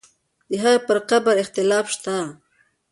د هغې پر قبر اختلاف شته.